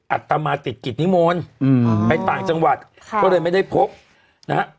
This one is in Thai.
อัตมาติดกิจนิมนต์ไปต่างจังหวัดค่ะก็เลยไม่ได้พบนะฮะ